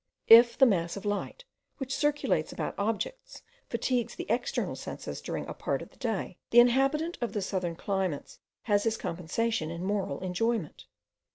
If the mass of light, which circulates about objects, fatigues the external senses during a part of the day, the inhabitant of the southern climates has his compensation in moral enjoyment.